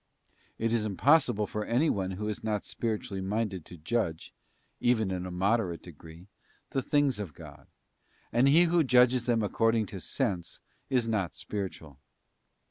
It is impossible for anyone who is not spiri tually minded to judge, even in a moderate degree, the things of God; and he who judges them according to sense is not spiritual.